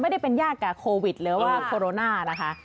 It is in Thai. ไม่ได้เป็นยากกับโควิดหรือว่าโคโรนานะคะ